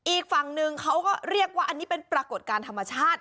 อีกฝั่งหนึ่งเขาก็เรียกว่าอันนี้เป็นปรากฏการณ์ธรรมชาติ